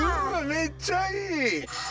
めっちゃいい！